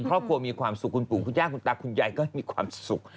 ครอบครัวมีความสุขคุณปู่คุณย่าคุณตาคุณยายก็มีความสุข